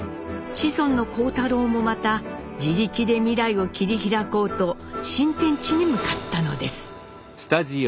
子孫の幸太郎もまた自力で未来を切り開こうと新天地に向かったのです。